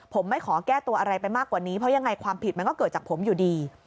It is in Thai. ผมไม่ขอแก้ตัวอะไรไปมากกว่านี้เพราะยังไงความผิดมันก็เกิดจากผมอยู่ดี